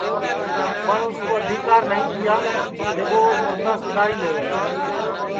پٹؔ اُس کُو آدیکار نائی تیا کہ ٻو مُردا سُداری لئیوے